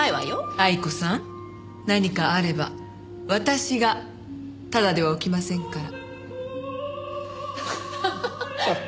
愛子さん何かあれば私がただではおきませんから。